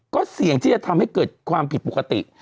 ก็เสี่ยงที่จะทำให้เกิดความผิดปกติ